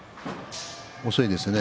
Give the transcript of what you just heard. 遅いですね。